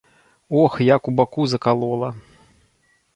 Ох, як у баку закалола.